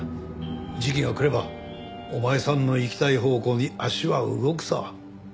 時期が来ればお前さんの行きたい方向に足は動くさ。